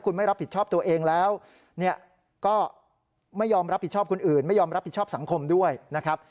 ก็ไม่ยอมรับผิดชอบคนอื่นไม่ยอมรับผิดชอบสังคมด้วยนะครับ